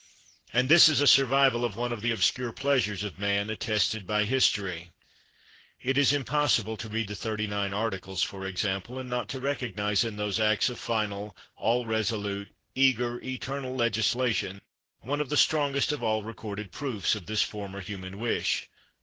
And this is a survival of one of the obscure pleasures of man, attested by history. It is impossible to read the Thirty nine Articles, for example, and not to recognize in those acts of final, all resolute, eager, eternal legislation one of the strongest of all recorded proofs of this former human wish.